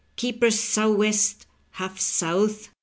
Keep her sou'west, half south."